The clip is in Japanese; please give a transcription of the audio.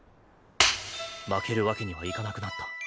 パチッ負けるわけにはいかなくなった。